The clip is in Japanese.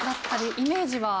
イメージは？